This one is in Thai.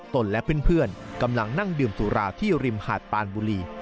นและเพื่อนกำลังนั่งดื่มสุราที่ริมหาดปานบุรี